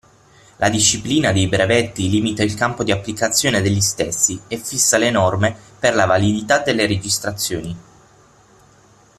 La disciplina dei brevetti limita il campo di applicazione degli stessi e fissa le norme per la validità delle registrazioni.